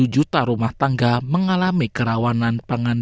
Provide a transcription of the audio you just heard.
tiga tujuh juta rumah tangga mengalami kerawanan pangan